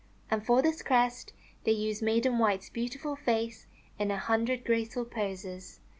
And for this crest they used Maiden White's beautiful face in a hundred graceful poses.